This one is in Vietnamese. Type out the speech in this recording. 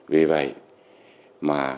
vì vậy mà